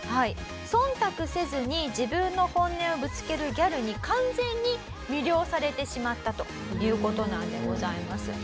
忖度せずに自分の本音をぶつけるギャルに完全に魅了されてしまったという事なんでございます。